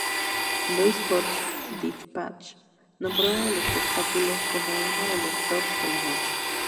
Louis Post-Dispatch" nombró el espectáculo como uno de los "Tops de la noche".